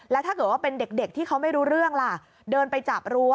แล้วถ้าเกิดว่าเป็นเด็กที่เขาไม่รู้เรื่องล่ะเดินไปจับรั้ว